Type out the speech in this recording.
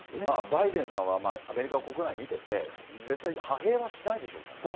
バイデンさんはアメリカ国内見てて、絶対派兵はしないでしょうからね。